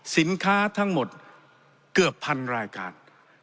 สินค้าทั้งหมดเกือบพันรายการ